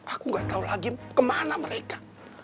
aku gak tahu lagi kemana mereka